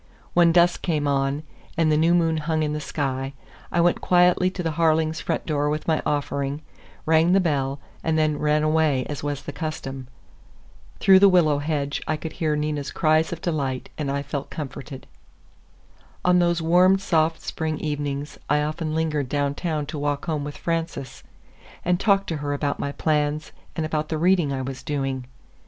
When dusk came on, and the new moon hung in the sky, I went quietly to the Harlings' front door with my offering, rang the bell, and then ran away as was the custom. Through the willow hedge I could hear Nina's cries of delight, and I felt comforted. On those warm, soft spring evenings I often lingered downtown to walk home with Frances, and talked to her about my plans and about the reading I was doing.